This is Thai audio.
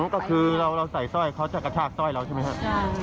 ก็คือเราใส่สร้อยเขาจะกระชากสร้อยเราใช่ไหมครับ